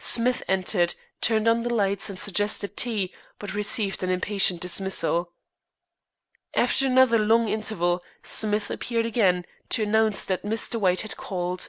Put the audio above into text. Smith entered, turned on the lights and suggested tea, but received an impatient dismissal. After another long interval Smith appeared again, to announce that Mr. White had called.